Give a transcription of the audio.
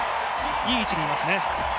いい位置にいますね。